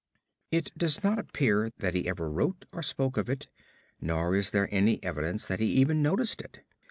It does not appear that he ever wrote or spoke of it, nor is there any evidence that he even noticed it.